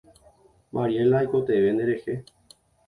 Mariela, aikotevẽ nderehe.